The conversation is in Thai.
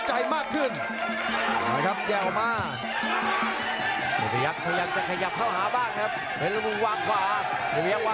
เสียบซ้ายกับดีแล้วเสียบซ้ายครับแต่ไม่หวังขวางหน้า